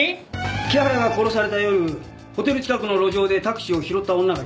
木原が殺された夜ホテル近くの路上でタクシーを拾った女がいるんです。